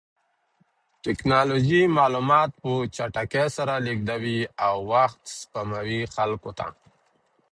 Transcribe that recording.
ټکنالوژي معلومات په چټکۍ سره لېږدوي او وخت سپموي خلکو ته.